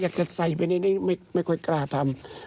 อยากจะใส่แต่ไม่กล้าทำ